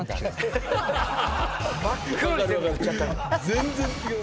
全然違う。